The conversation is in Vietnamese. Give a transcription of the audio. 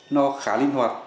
nó khá linh hoạt